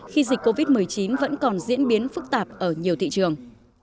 khi dịch covid một mươi chín vẫn còn diễn biến phức tạp ở nhiều thị trường